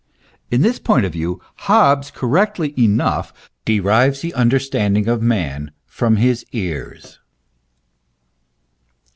In this point of view Hobbes correctly enough derives the understanding of man from his ears